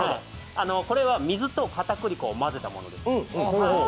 これは水と片栗粉を混ぜたものです。